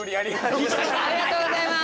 ありがとうございます！